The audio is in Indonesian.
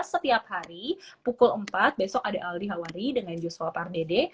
setiap hari pukul empat besok ada aldi hawari dengan joshua pardede